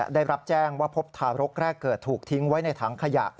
ได้รับแจ้งว่าพบทารกแรกเกิดถูกทิ้งไว้ในถังขยะ